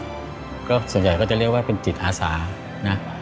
ที่มาตรงนี้ส่วนใหญ่ก็จะเรียกว่าเป็นจิตอาศา